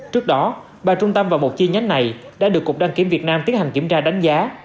trước đó ba trung tâm và một chi nhánh này đã được cục đăng kiểm việt nam tiến hành kiểm tra đánh giá